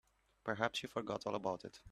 Perhaps she forgot all about it.